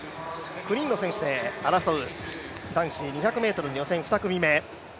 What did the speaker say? ９人の選手で争う男子２００ｍ予選２組目。